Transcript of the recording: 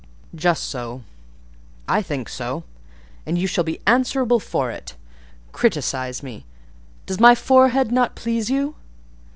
"Just so: I think so: and you shall be answerable for it. Criticise me: does my forehead not please you?"